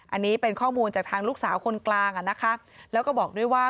อันนี้เป็นข้อมูลจากทางลูกสาวคนกลางอ่ะนะคะแล้วก็บอกด้วยว่า